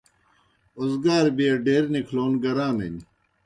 اوزگار بیے ڈیر نِکھلون گرانِن۔